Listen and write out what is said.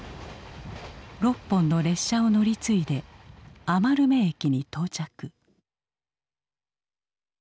６本の列車を乗り継いで余目駅に到着。